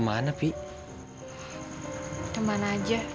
maksudnya bikin tenang selama mantra anaknya